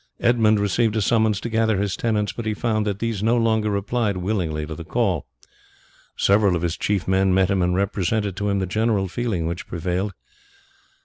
Edmund received a summons to gather his tenants, but he found that these no longer replied willingly to the call. Several of his chief men met him and represented to him the general feeling which prevailed.